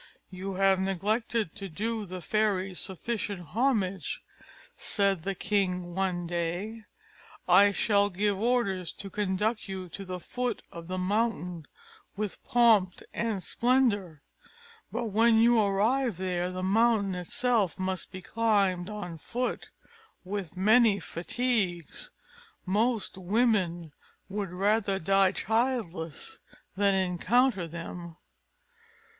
"You have neglected to do the fairy sufficient homage," said the king one day; "I shall give orders to conduct you to the foot of the mountain with pomp and splendour. But when arrived there the mountain itself must be climbed on foot, with many fatigues: most women would rather die childless than encounter them."